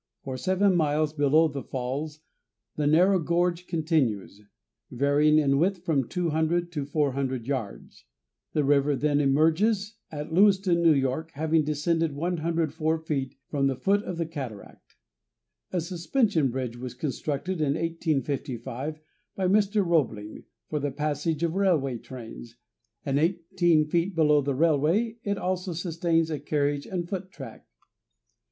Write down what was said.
For seven miles below the falls the narrow gorge continues, varying in width from 200 to 400 yards. The river then emerges at Lewiston, N. Y., having descended 104 feet from the foot of the cataract. A suspension bridge was constructed in 1855 by Mr. Roebling, for the passage of railway trains, and eighteen feet below the railway it also sustains a carriage and foot track.